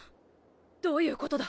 どういうことだ！？